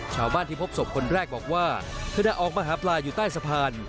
ชาวบ้านที่พบศพคนแรกบอกว่าขณะออกมาหาปลาอยู่ใต้สะพาน